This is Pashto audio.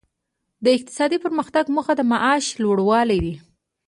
د اقتصادي پرمختګ موخه د معاش لوړوالی دی.